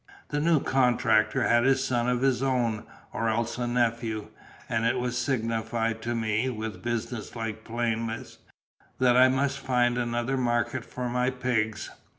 The new contractor had a son of his own, or else a nephew; and it was signified to me, with business like plainness, that I must find another market for my pigs.